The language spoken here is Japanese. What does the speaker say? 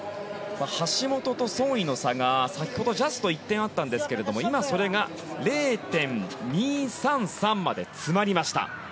橋本とソン・イの差が先ほどジャスト１点あったんですが今それが０．２３３まで詰まりました。